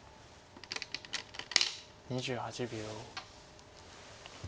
２８秒。